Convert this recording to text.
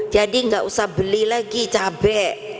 jadi gak usah beli lagi cabe